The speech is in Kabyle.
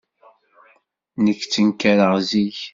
Nekk ttenkareɣ zik.